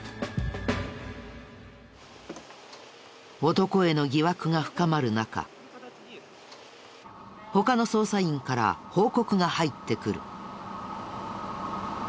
男への疑惑が深まる中他の捜査員から報告が入ってくる。